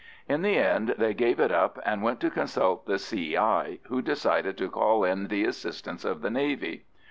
In the end they gave it up, and went to consult the C.I., who decided to call in the assistance of the Navy.